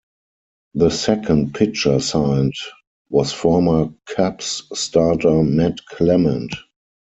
The second pitcher signed was former Cubs starter Matt Clement.